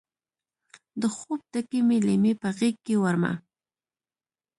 د خوب ډکې مې لیمې په غیږکې وړمه